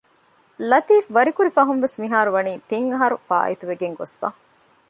ލަތީފްވަރިކުރި ފަހުންވެސް މިހާރު މިވަނީ ތިން އަހަރު ފާއިތުވެގެން ގޮސްފަ